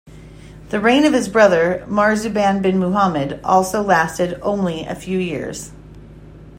The reign of his brother, Marzuban bin Muhammad, also lasted only a few years.